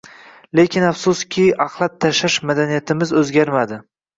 Lekin, afsuski, axlat tashlash madaniyatimiz o'zgarmadi